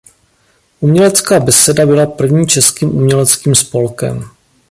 Umělecká beseda byla prvním českým uměleckým spolkem.